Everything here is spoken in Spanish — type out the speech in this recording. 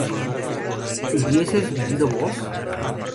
¿hubieses vivido vos?